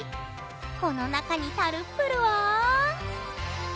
この中にタルップルは。